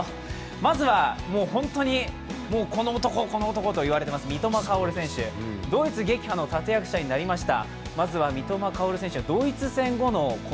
まずは、本当にこの男、この男と言われています三笘薫、ドイツ撃破の立て役者になりました。